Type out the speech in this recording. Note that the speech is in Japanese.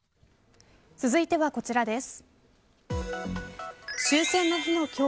続いてはこちらです。